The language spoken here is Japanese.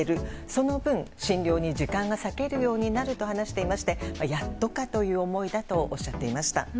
その分、診療に時間が割けるようになると話していましてやっとかという思いだとおっしゃっていました。